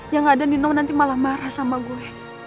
yang ada nino nanti malah marah sama gue